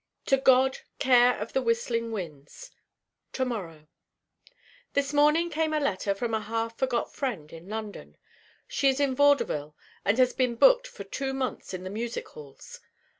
To God, care of the whistling winds To morrow This morning came a letter from a half forgot friend in London. She is in vaudeville and has been booked for two months in the Music Halls.